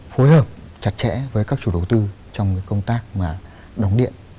phối hợp chặt chẽ với các chủ đầu tư trong công tác đóng điện